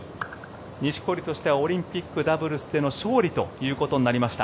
錦織としてはオリンピックダブルスでの勝利ということになりました。